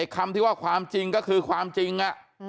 คำที่ว่าความจริงก็คือความจริง